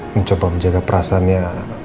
mencoba menjaga perasaannya